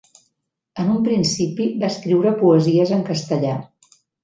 En un principi, va escriure poesies en castellà.